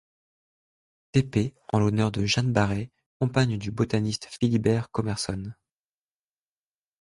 Tepe en l'honneur de Jeanne Baret, compagne du botaniste Philibert Commerson.